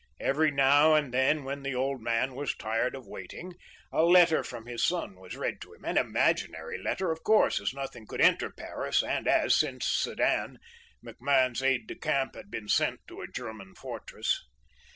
Every now and then, when the old man was tired of waiting, a letter from his son was read to him—an imaginary letter, of course, as nothing could enter Paris, and as, since Sedan, MacMahon's aid de camp had been sent to a German fortress.